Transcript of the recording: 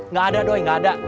nggak ada doy nggak ada